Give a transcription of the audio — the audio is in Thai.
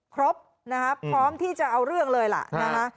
ครบนะครับพร้อมที่จะเอาเรื่องเลยล่ะนะคะ